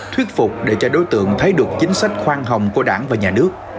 thuyết phục để cho đối tượng thấy được chính sách khoan hồng của đảng và nhà nước